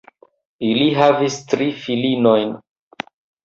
Ili havis tri filinojn.